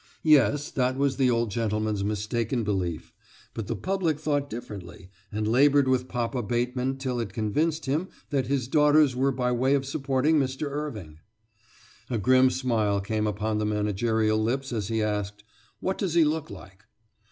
"Yes, that was the old gentleman's mistaken belief; but the public thought differently, and laboured with Papa Bateman till it convinced him that his daughters were by way of supporting Mr. Irving." A grim smile came upon the managerial lips as be asked. "What does he look like?"